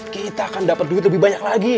kita akan dapat duit lebih banyak lagi